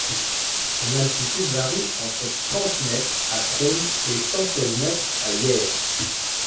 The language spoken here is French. Son altitude varie entre trente mètres à Crosne et cent seize mètres à Yerres.